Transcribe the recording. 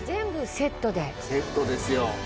セットですよ！